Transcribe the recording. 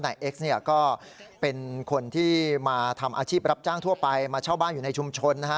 เอ็กซ์เนี่ยก็เป็นคนที่มาทำอาชีพรับจ้างทั่วไปมาเช่าบ้านอยู่ในชุมชนนะฮะ